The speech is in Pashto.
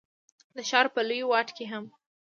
د ښار په لوی واټ کي هم،